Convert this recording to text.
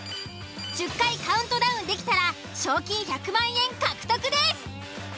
１０回カウントダウンできたら賞金１００万円獲得です。